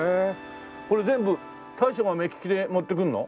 これ全部大将が目利きで持ってくるの？